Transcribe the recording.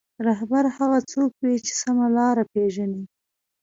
رهبر هغه څوک وي چې سمه لاره پېژني.